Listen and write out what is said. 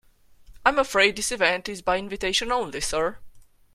I'm afraid this event is by invitation only, sir.